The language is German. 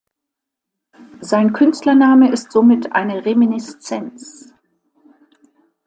Sein Künstlername ist somit eine Reminiszenz.